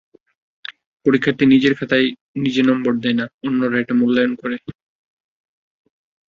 পরীক্ষার্থী নিজের খাতায় নিজে নম্বর দেয় না, অন্যরা এটা মূল্যায়ন করে।